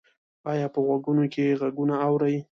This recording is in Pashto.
ایا په غوږونو کې غږونه اورئ؟